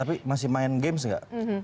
tapi masih main games gak